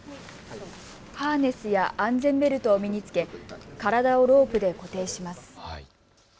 ハーネスや安全ベルトを身に着け体をロープで固定します。